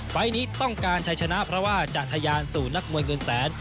ไฟล์นี้ต้องการใช้ชนะเพราะว่าจะทะยานสู่นักมวยเงินแสน